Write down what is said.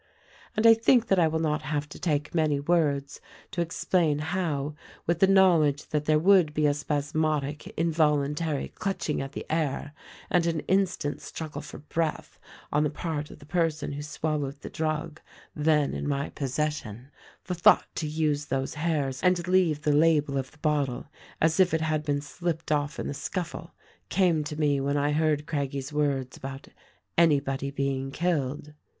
"And I think that I will not have to take many words to explain how, with the knowledge that there would be a spas modic, involuntary clutching at the air and an instant's struggle for breath on the part of the person who swallowed the drug then in my possession, the thought to use those hairs and leave the label of the bottle as if it had slipped off in the scuffle, came to me when I heard Craggie's words about 'anybody being killed.'